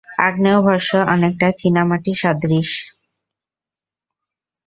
আগ্নেয়ভস্ম অনেকটা চীনামাটি সদৃশ।